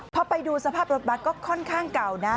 พอไปดูสภาพรถบัตรก็ค่อนข้างเก่านะ